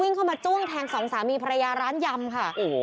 วิ่งเข้ามาจุ้งแทงสองสามีภรรยาร้านยำค่ะ